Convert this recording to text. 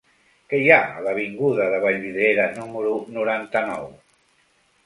Què hi ha a l'avinguda de Vallvidrera número noranta-nou?